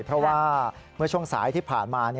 เพราะว่าเมื่อช่วงสายที่ผ่านมา